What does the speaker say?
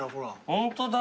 ホントだ。